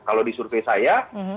kalau di survei saya